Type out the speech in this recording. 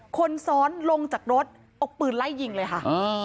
คนซ้อนลงจากรถเอาปืนไล่ยิงเลยค่ะ